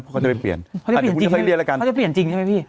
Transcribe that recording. เขาจะไปเปลี่ยนเขาจะเปลี่ยนจริงใช่ไหมพี่